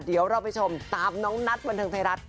เดี๋ยวเราไปชมตามน้องนัทบันเทิงไทยรัฐ